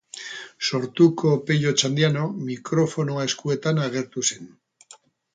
Sortuko Pello Otxandiano mikrofonoa eskuetan agertu zen.